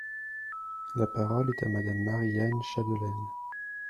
La parole est à Madame Marie-Anne Chapdelaine.